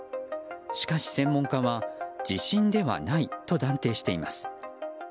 しかし、専門家は地震ではないと断定しています。